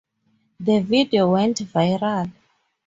The video went viral.